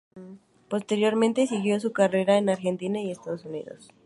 Posteriormente siguió su carrera en Argentina y Estados Unidos.